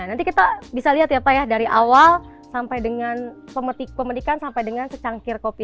nanti kita bisa lihat dari awal sampai dengan pemeriksaan sampai dengan secangkir kopi